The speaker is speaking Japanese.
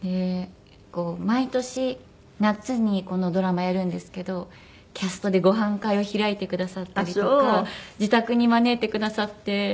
毎年夏にこのドラマをやるんですけどキャストでご飯会を開いてくださったりとか自宅に招いてくださって。